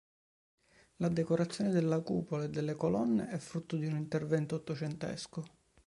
La decorazione della cupola e delle colonne è frutto di un intervento ottocentesco.